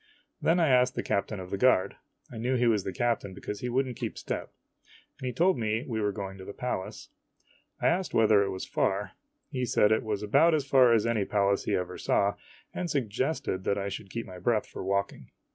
Then I asked the captain of the guard, I knew he was the captain because he would n't keep step, and he told me we were going to the Palace. I asked whether it was far. He said it was about as far as any place he ever saw, and suggested that I should keep my breath for walking.